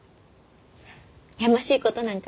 やましいことなんかね